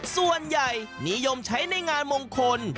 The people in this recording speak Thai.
ส่วนใหญ่นิยมใช้ในงานมงคล